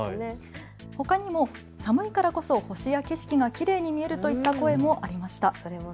ほかにも寒いからこそ星や景色がきれいに見えるといった声もありました。